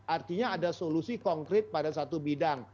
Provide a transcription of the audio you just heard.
artinya ada solusi konkret pada satu bidang